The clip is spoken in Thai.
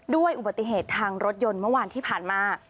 อุบัติเหตุทางรถยนต์เมื่อวานที่ผ่านมา